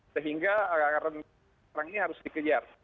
sehingga orang orang ini harus dikejar